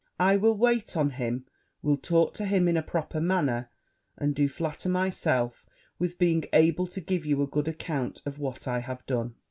I will wait on him will talk to him in a proper manner; and do flatter myself with being able to give you a good account of what I have done.'